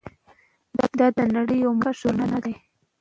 دا د نړۍ یو مخکښ ژورنال دی.